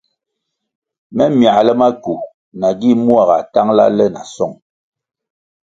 Me myale mackwu nagi mua gā tangʼla le na song.